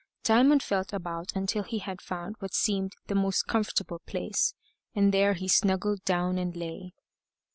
Diamond felt about until he had found what seemed the most comfortable place, and there he snuggled down and lay.